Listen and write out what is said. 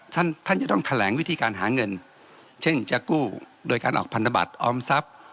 ท่านท่านจะต้องแถลงวิธีการหาเงินเช่นจะกู้โดยการออกพันธบัตรออมทรัพย์